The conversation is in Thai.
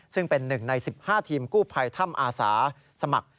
ซึ่งเป็น๑ใน๑๕ทีมกู้ภัยถ้ำอาสาสมัคร